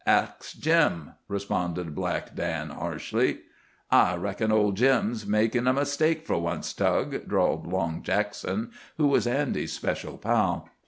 "Ax Jim," responded Black Dan, harshly. "I reckon old Jim's makin' a mistake fer once, Tug," drawled Long Jackson, who was Andy's special pal.